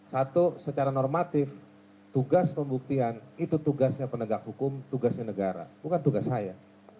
satu secara normatif tugas pembuktian itu tugasnya penegak hukum tugasnya negara bukan tugas saya